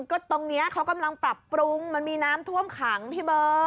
ก็ตรงนี้เขากำลังปรับปรุงมันมีน้ำท่วมขังพี่เบิร์ต